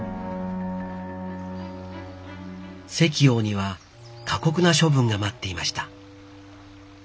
碩翁には過酷な処分が待っていました。